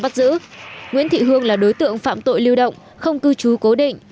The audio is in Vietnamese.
bắt giữ nguyễn thị hương là đối tượng phạm tội lưu động không cư trú cố định